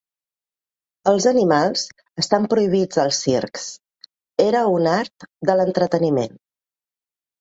Els animals estan prohibits als circs. Era un art de l'entreteniment.